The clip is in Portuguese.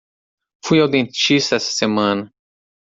Fui ao dentista essa semana